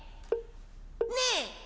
ねえ！